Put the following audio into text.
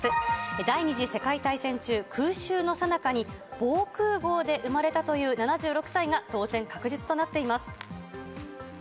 第２次世界大戦中、空襲のさなかに防空ごうで産まれたという７６歳が、当選確実となっています。